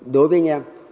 đối với anh em